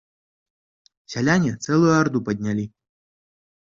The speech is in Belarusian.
Сяляне цэлую арду паднялі.